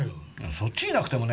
そっちになくてもね